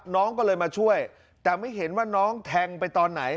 น้องก็เลยมาช่วยแต่ไม่เห็นว่าน้องแทงไปตอนไหน